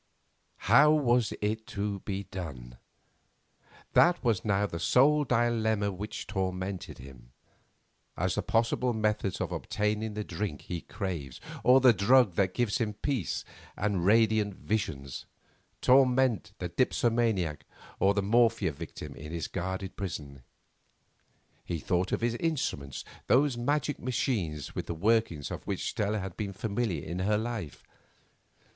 How was it to be done? That was now the sole dilemma which tormented him—as the possible methods of obtaining the drink he craves, or the drug that gives him peace and radiant visions, torment the dipsomaniac or the morphia victim in his guarded prison. He thought of his instruments, those magic machines with the working of which Stella had been familiar in her life.